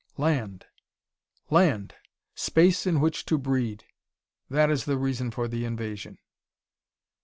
"Land land! Space in which to breed that is the reason for the invasion.